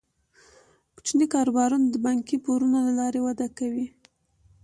کوچني کاروبارونه د بانکي پورونو له لارې وده کوي.